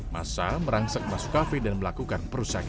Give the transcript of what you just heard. masa merangsak masuk kafe dan melakukan